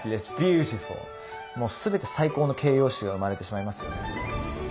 もう全て最高の形容詞が生まれてしまいますよね。